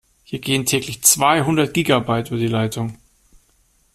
Hier gehen täglich zweihundert Gigabyte über die Leitung.